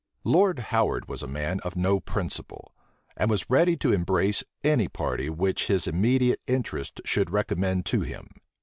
Lord Howard was a man of no principle, and was ready to embrace any party which his immediate interest should recommend to him.